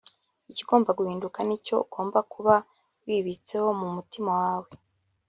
“Ikigomba guhinduka ni icyo ugomba kuba wibitseho mu mutima wawe